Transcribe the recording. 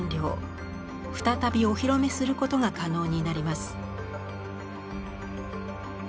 再びお披露目することが可能になります。